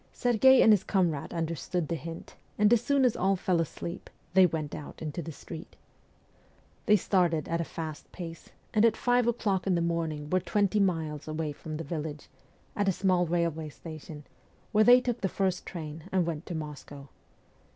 Serghei and his comrade understood the hint, and as soon as all fell asleep they went out into the street. They started at a fast pace, and at five o'clock in the morning were twenty miles away from the village, at a small railway station, where they took the first train, and went to Moscow.